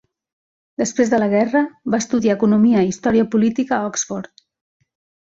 Després de la guerra, va estudiar economia i història política a Oxford.